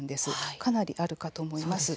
かなりあるかと思います。